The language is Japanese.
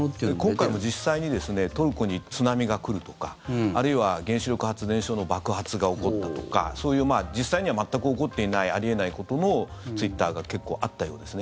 今回も実際にトルコに津波が来るとかあるいは原子力発電所の爆発が起こったとかそういう実際には全く起こっていないあり得ないことのツイッターが結構あったようですね。